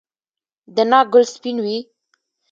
د ناک ګل سپین وي؟